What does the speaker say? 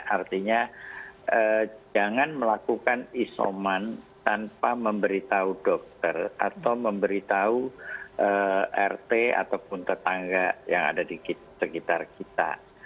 artinya jangan melakukan isoman tanpa memberitahu dokter atau memberitahu rt ataupun tetangga yang ada di sekitar kita